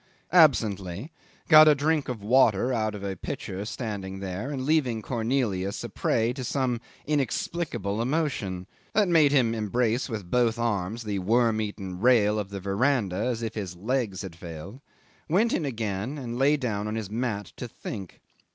absently, got a drink of water out of a pitcher standing there, and leaving Cornelius a prey to some inexplicable emotion that made him embrace with both arms the worm eaten rail of the verandah as if his legs had failed went in again and lay down on his mat to think.